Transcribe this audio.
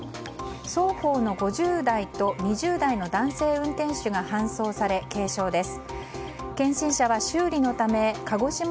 双方の５０代と２０代の男性運転手が搬送され、軽傷です。